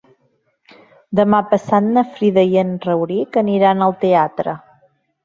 Demà passat na Frida i en Rauric aniran al teatre.